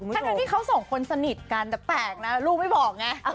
ทั้งที่เขาสองคนสนิทกันแต่แปลกนะลูกไม่บอกไง